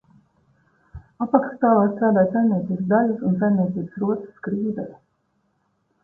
Apakšstāvā strādāja saimniecības daļas un saimniecības rotas skrīveri.